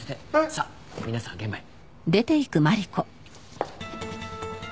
さあ皆さんは現場へ。